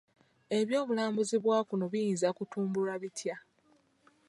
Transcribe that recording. Eby'obulambuzi bwa kuno biyinza kutumbulwa bitya?